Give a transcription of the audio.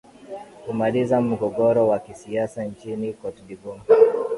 kumaliza mgogoro wa kisiasa nchini cote de voire